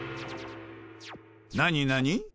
何何？